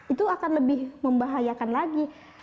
itu akan lebih membahayakan lagi